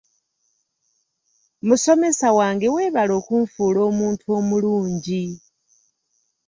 Musomesa wange weebale okunfuula omuntu omulungi.